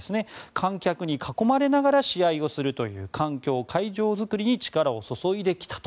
観客に囲まれながら試合をするという環境・会場作りに力を注いできたと。